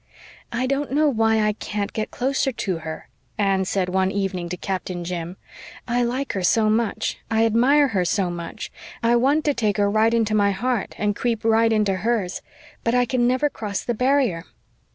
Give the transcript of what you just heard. "I don't know why I can't get closer to her," Anne said one evening to Captain Jim. "I like her so much I admire her so much I WANT to take her right into my heart and creep right into hers. But I can never cross the barrier."